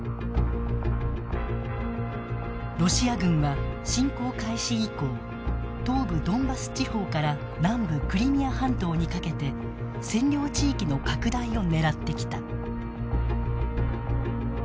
ロシア軍は侵攻開始以降東部ドンバス地方から南部クリミア半島にかけて占領地域の拡大を狙ってきた。